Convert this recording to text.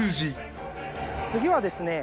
次はですね